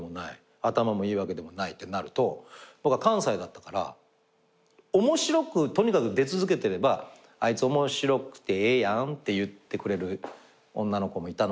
頭もいいわけでもないってなると僕は関西だったから面白くとにかく出続けてれば「あいつ面白くてええやん」って言ってくれる女の子もいたのかなみたいな。